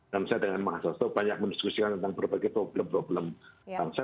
dan saya dengan mas hasto banyak mendiskusikan tentang berbagai problem problem bangsa